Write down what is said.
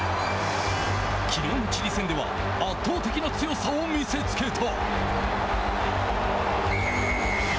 きのうのチリ戦では圧倒的な強さを見せつけた。